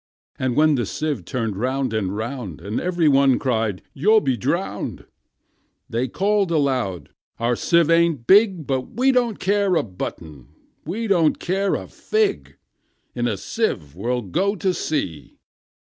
And when the sieve turned round and round, And every one cried, "You'll all be drowned!" They called aloud, "Our sieve ain't big; But we don't care a button, we don't care a fig: In a sieve we'll go to sea!"